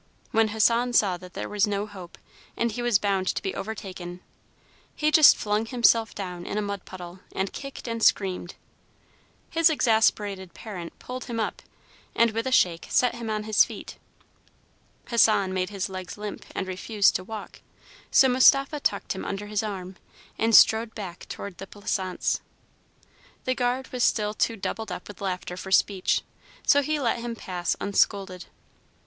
When Hassan saw that there was no hope, and he was bound to be overtaken, he just flung himself down in a mud puddle and kicked and screamed. His exasperated parent pulled him up, and, with a shake, set him on his feet. Hassan made his legs limp, and refused to walk; so Mustapha tucked him under his arm, and strode back toward the Plaisance. The guard was still too doubled up with laughter for speech, so he let him pass unscolded.